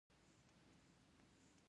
دا د اسلامي معمارۍ شاهکارونه دي.